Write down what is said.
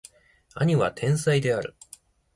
兄は天才である